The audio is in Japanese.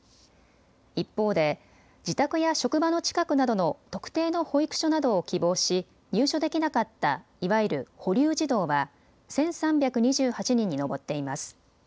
一方で自宅や職場の近くなどの特定の保育所などを希望し入所できなかった、いわゆる保留児童は１３２８人に上っています。